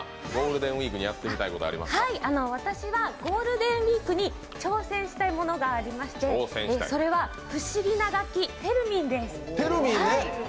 私はゴールデンウイークに挑戦したいものがありましてそれは不思議な楽器・テルミンです。